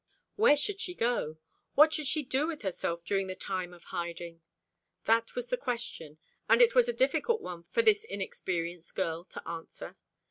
Where should she go? What should she do with herself during the time of hiding? That was the question; and it was a difficult one for this inexperienced girl to answer.